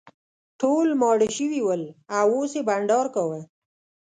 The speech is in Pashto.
ټول ماړه شوي ول او اوس یې بانډار کاوه.